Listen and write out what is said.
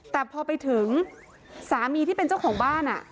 แต่พอไปถึงสามีที่เป็นเจ้าของบ้าน